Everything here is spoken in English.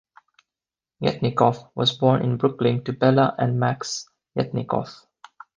Yetnikoff was born in Brooklyn to Bella and Max Yetnikoff.